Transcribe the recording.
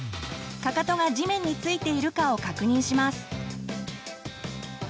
かかとが地面に着いているかを確認します。